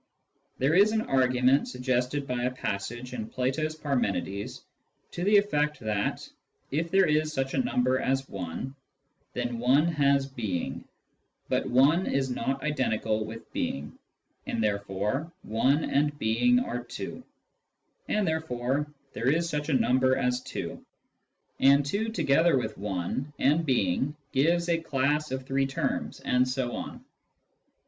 There is an argument, suggested by a passage in Plato's Parmenid.es, to the effect that, if there is such a number as 1, then 1 has being ; but 1 is not identical with being, and therefore 1 and being are two, and therefore there is such a number as 2, and 2 together with 1 and being gives a class of three terms, and so on.